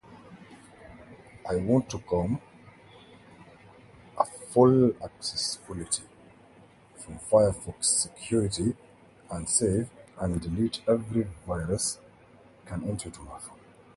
Serge Lepeltier became Minister of the Environment, while Roselyne Bachelot-Narquin was dismissed.